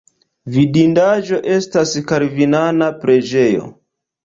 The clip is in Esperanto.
Vidindaĵo estas kalvinana preĝejo.